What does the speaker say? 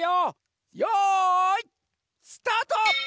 よいスタート！